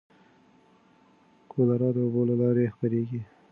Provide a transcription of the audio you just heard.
کولرا د اوبو له لارې خپرېږي.